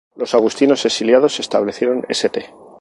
Los agustinos exiliados establecieron St.